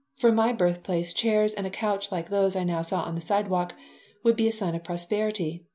For in my birthplace chairs and a couch like those I now saw on the sidewalk would be a sign of prosperity.